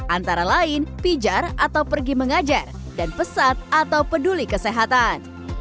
antara lain pijar atau pergi mengajar dan pesat atau peduli kesehatan